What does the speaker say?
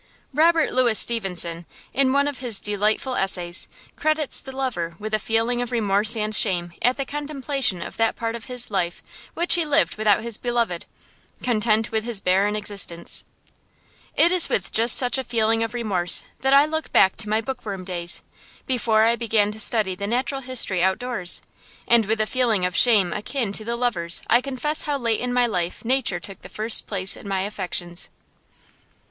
Robert Louis Stevenson, in one of his delightful essays, credits the lover with a feeling of remorse and shame at the contemplation of that part of his life which he lived without his beloved, content with his barren existence. It is with just such a feeling of remorse that I look back to my bookworm days, before I began the study of natural history outdoors; and with a feeling of shame akin to the lover's I confess how late in my life nature took the first place in my affections.